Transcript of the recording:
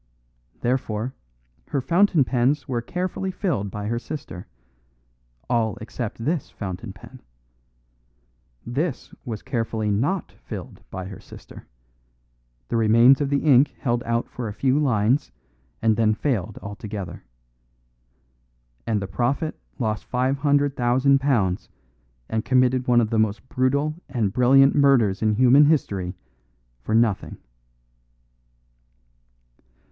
Therefore, her fountain pens were carefully filled by her sister all except this fountain pen. This was carefully not filled by her sister; the remains of the ink held out for a few lines and then failed altogether. And the prophet lost five hundred thousand pounds and committed one of the most brutal and brilliant murders in human history for nothing."